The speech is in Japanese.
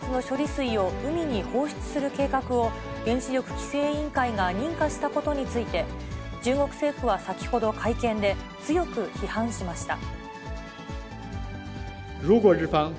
水を海に放出する計画を、原子力規制委員会が認可したことについて、中国政府は先ほど会見で、強く批判しました。